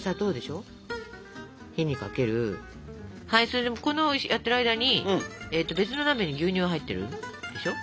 それでこれやってる間に別の鍋に牛乳が入ってるでしょ。